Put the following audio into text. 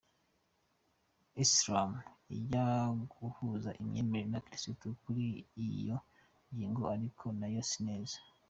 Islam ijya guhuza imyemerere n’abakristu kuri iyo ngingo, ariko nayo si neza.